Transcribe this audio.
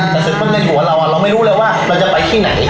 แต่ถึงเพิ่งเล่นหัวเราอ่ะเราไม่รู้เลยว่าเราจะไปที่ไหน